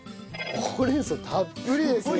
ほうれん草たっぷりですね。